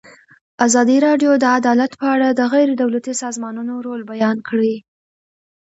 ازادي راډیو د عدالت په اړه د غیر دولتي سازمانونو رول بیان کړی.